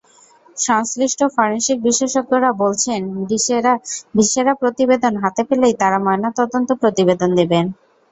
সংশ্লিষ্ট ফরেনসিক বিশেষজ্ঞরা বলছেন, ভিসেরা প্রতিবেদন হাতে পেলেই তাঁরা ময়নাতদন্ত প্রতিবেদন দেবেন।